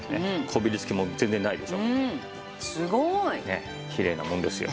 ねっきれいなもんですよ。